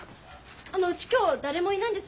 あのうち今日誰もいないんです。